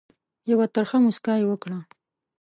یوه ترخه مُسکا یې وکړه.